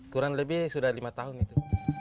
kurang lebih sudah lima tahun itu